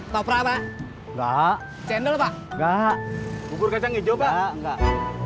toprak pak enggak cendol pak enggak bubur kacang hijau pak enggak